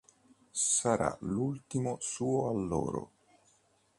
Sarà l'ultimo suo alloro.